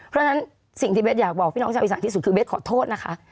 เพราะฉะนั้นสิ่งที่เบสอยากบอกพี่น้องชาวอีสานที่สุดคือเบสขอโทษนะคะ